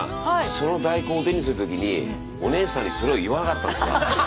その大根をおでんにする時にお姉さんにそれを言わなかったんですか？